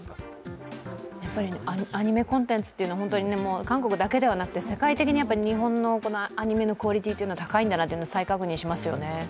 やっぱりアニメコンテンツというのは本当に韓国だけではなくて世界的に日本のアニメのクオリティーって高いんだなって再確認しますよね。